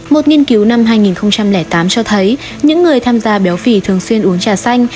một nghiên cứu năm hai nghìn tám cho thấy những người tham gia béo phì thường xuyên uống trà xanh